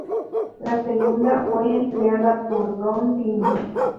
La segunda fue empleada por Don Dinis.